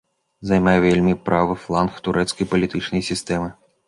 Займае вельмі правы фланг турэцкай палітычнай сістэмы.